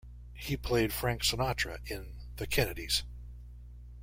He played Frank Sinatra in "The Kennedys".